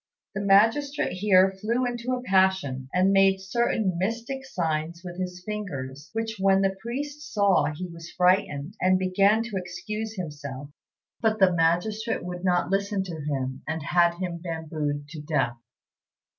The magistrate here flew into a passion, and made certain mystic signs with his fingers, which when the priest saw he was frightened, and began to excuse himself; but the magistrate would not listen to him, and had him bambooed to death.